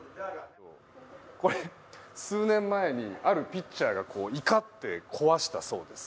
これ、数年前にあるピッチャーが怒って、壊したそうです。